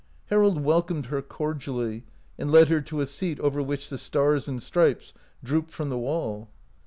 Harold welcomed her cordially, and led her to a seat over which the stars and stripes drooped from the wall.